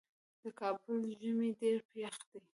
د کابل ژمی ډیر یخ دی